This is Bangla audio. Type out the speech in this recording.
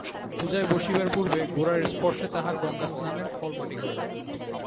পূজায় বসিবার পূর্বে গোরার স্পর্শে তাঁহার গঙ্গাস্নানের ফল মাটি হইল।